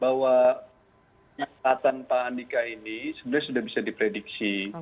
bahwa nyatakan pak andika ini sebenarnya sudah bisa diprediksi